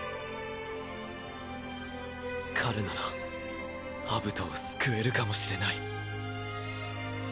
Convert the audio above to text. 彼ならアブトを救えるかもしれない。